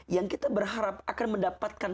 yang kita berharap akan mendapatkan